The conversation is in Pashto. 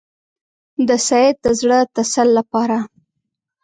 د سید د زړه تسل لپاره.